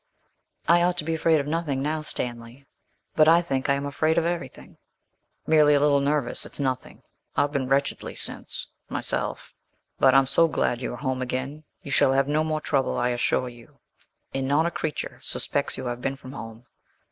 'I ought to be afraid of nothing now, Stanley, but I think I am afraid of everything.' 'Merely a little nervous it's nothing I've been wretchedly since, myself; but, I'm so glad you are home again; you shall have no more trouble, I assure you; and not a creature suspects you have been from home.